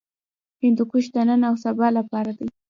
هندوکش د نن او سبا لپاره دی.